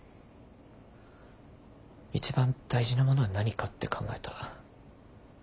一番大事なものは何かって考えた。